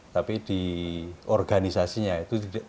tapi di organisasinya itu tidak ada